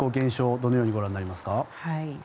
どのようにご覧になりますか？